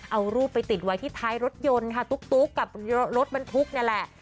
เอารูปไปติดไว้ที่ท้ายรถยนต์ค่ะตุ๊กกับรถบรรทุกนี่แหละ